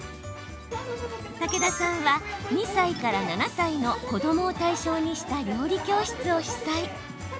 武田さんは、２歳から７歳の子どもを対象にした料理教室を主宰。